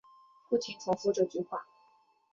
不停重复这句话